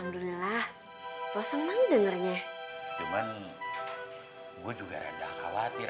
udah keluar masalah paham syukur alhamdulillah senang dengernya cuman gue juga rada khawatir